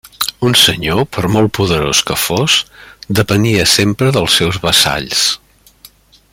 Un senyor, per molt poderós que fos, depenia sempre dels seus vassalls.